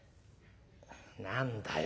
何だよ？